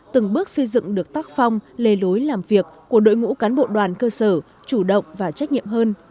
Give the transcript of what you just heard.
từng bước xây dựng được tác phong lề lối làm việc của đội ngũ cán bộ đoàn cơ sở chủ động và trách nhiệm hơn